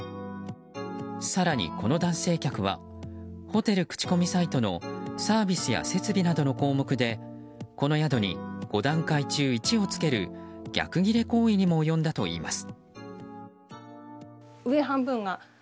更に、この男性客はホテル口コミサイトのサービスや設備などの項目でこの宿に５段階中１をつける逆ギレ行為にも及んだといいます。